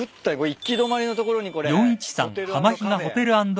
行き止まりの所にこれホテル＆カフェ。